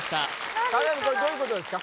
これどういうことですか？